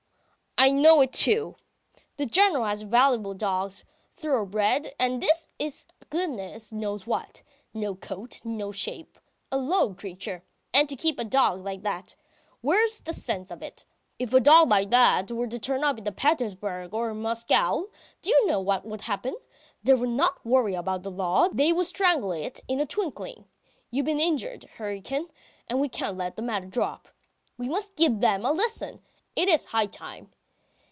"I know it, too. The General has valuable dogs, thoroughbred, and this is goodness knows what! No coat, no shape. ... A low creature. And to keep a dog like that! ... where's the sense of it. If a dog like that were to turn up in Petersburg or Moscow, do you know what would happen? They would not worry about the law, they would strangle it in a twinkling! You've been injured, Hryukin, and we can't let the matter drop. ... We must give them a lesson! It is high time